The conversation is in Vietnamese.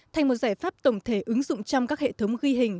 thành một giải pháp tổng thể ứng dụng trong các hệ thống ghi hình